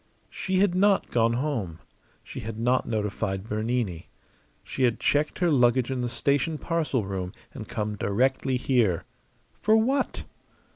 She had not gone home. She had not notified Bernini. She had checked her luggage in the station parcel room and come directly here. For what?